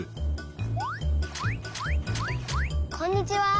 こんにちは。